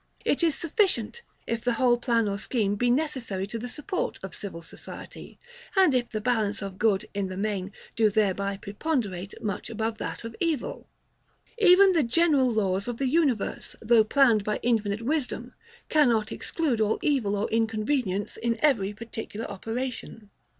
It is sufficient, if the whole plan or scheme be necessary to the support of civil society, and if the balance of good, in the main, do thereby preponderate much above that of evil. Even the general laws of the universe, though planned by infinite wisdom, cannot exclude all evil or inconvenience in every particular operation.